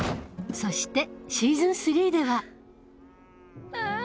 そしてシーズン３ではああ